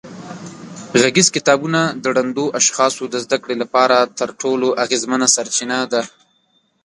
غږیز کتابونه د ړندو اشخاصو د زده کړې لپاره تر ټولو اغېزمنه سرچینه ده.